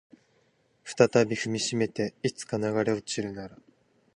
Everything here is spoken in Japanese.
再び踏みしめていつか流れ落ちるなら